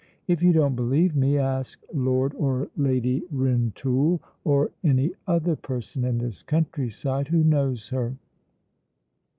If you don't believe me, ask Lord or Lady Rintoul, or any other person in this countryside who knows her."